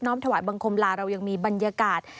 ถวายบังคมลาเรายังมีบรรยากาศ